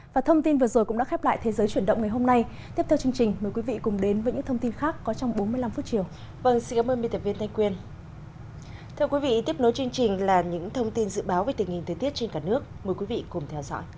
và thông tin vừa rồi cũng đã khép đặt